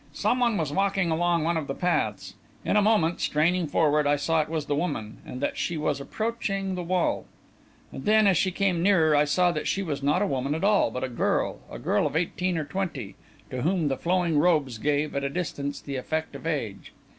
Someone was walking along one of the paths; in a moment, straining forward, I saw it was the woman, and that she was approaching the wall. And then, as she came nearer, I saw that she was not a woman at all, but a girl a girl of eighteen or twenty, to whom the flowing robes gave, at a distance, the effect of age.